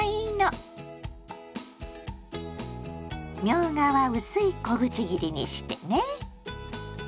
みょうがは薄い小口切りにしてね。